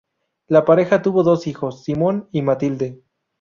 La pareja tuvo dos hijos: Simón y Matilde.